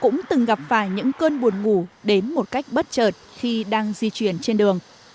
chúng ta đã từng gặp phải những cơn buồn ngủ đến một cách bất trợt khi đang di chuyển trên đường